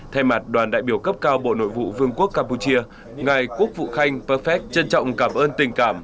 thay mặt đoàn đại biểu cấp cao bộ nội vụ vương quốc campuchia ngài quốc vụ khanh perfect trân trọng cảm ơn tình cảm